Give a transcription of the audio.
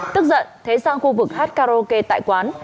tức giận thế sang khu vực hát karaoke tại quán